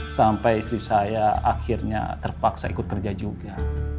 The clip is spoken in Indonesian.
sampai istri saya akhirnya terpaksa ikut kerja juga